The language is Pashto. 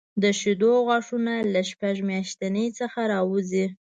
د شېدو غاښونه له شپږ میاشتنۍ څخه راوځي.